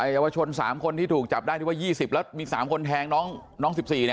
เยาวชน๓คนที่ถูกจับได้ที่ว่า๒๐แล้วมี๓คนแทงน้อง๑๔